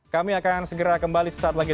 kami akan segera kembali sesaat lagi